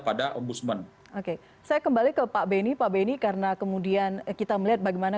pada ombudsman oke saya kembali ke pak beni pak benny karena kemudian kita melihat bagaimana